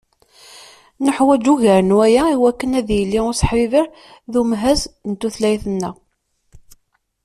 Neḥwaǧ ugar n waya iwakken ad d-yili useḥbiber d umhaz n tutlayt-nneɣ.